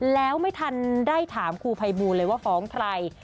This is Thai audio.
แล้วไม่ทันได้ถามครูภัยบูลเลยว่าฟ้องใคร